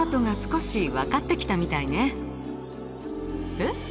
えっ？